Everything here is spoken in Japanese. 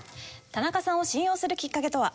田中さんを信用するきっかけとは？